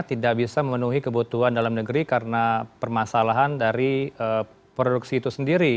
tidak bisa memenuhi kebutuhan dalam negeri karena permasalahan dari produksi itu sendiri